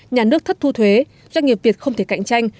nhà nước thất thu thuế doanh nghiệp việt không thể cạnh tranh